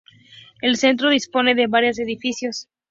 El centro dispone de varios edificios.